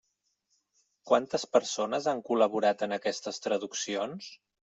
Quantes persones han col·laborat en aquestes traduccions?